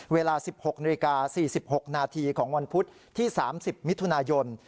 เวลา๑๖นาฬิกา๔๖นาทีของวันพุธที่๓๐มิถุนายน